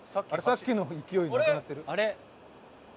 さっきの勢いなくなってる。